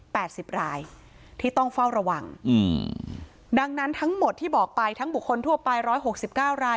สิบรายที่ต้องเฝ้าระวังอืมดังนั้นทั้งหมดที่บอกไปทั้งบุคคลทั่วไปร้อยหกสิบเก้าราย